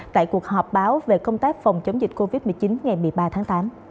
tại cuộc họp báo về công tác phòng chống dịch covid một mươi chín ngày một mươi ba tháng tám